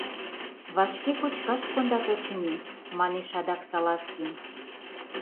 — Вашке кочкаш кондат, очыни, — манеш адак Салазкин.